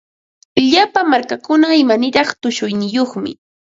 Llapa markakuna imaniraq tushuyniyuqmi.